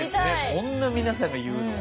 こんな皆さんが言うのは。